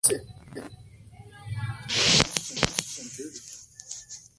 El comer y el rascar, todo es empezar